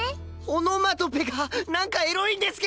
オノマトペがなんかエロいんですけど！